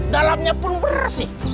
dalamnya pun bersih